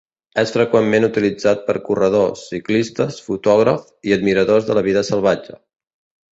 És freqüentment utilitzat per corredors, ciclistes, fotògrafs i admiradors de la vida salvatge.